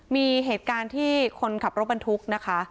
มีเหตุการณ์ที่คนขับรถบรรทุกนะคะ